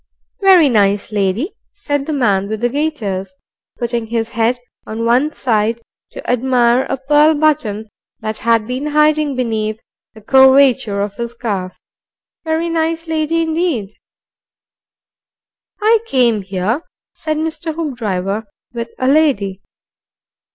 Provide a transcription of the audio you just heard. "Very nice lady," said the man with the gaiters, putting his head on one side to admire a pearl button that had been hiding behind the curvature of his calf. "Very nice lady indeed." "I came here," said Mr. Hoopdriver, "with a lady."